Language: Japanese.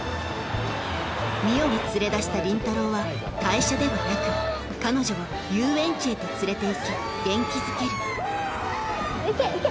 海音を連れ出した倫太郎は会社ではなく彼女を遊園地へと連れて行き元気づける行け行け！